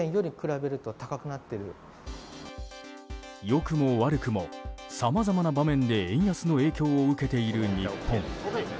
良くも悪くもさまざまな場面で円安の影響を受けている日本。